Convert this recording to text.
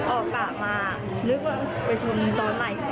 ออกกลับมานึกว่าไปชมตอนไหน